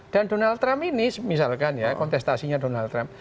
dan donald trump ini misalkan ya kontestasinya donald trump